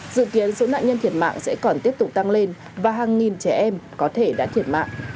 dự kiến số nạn nhân thiệt mạng sẽ còn tiếp tục tăng lên và hàng nghìn trẻ em có thể đã thiệt mạng